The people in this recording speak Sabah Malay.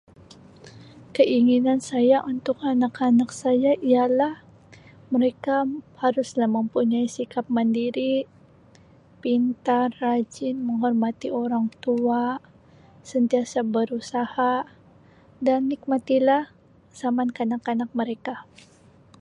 Keinginan saya untuk anak-anak saya ialah mereka haruslah mempunyai sikap mandiri, pintar, rajin, menghormati orang tua, sentiasa berusaha dan nikmati lah zaman kanak-kanak mereka.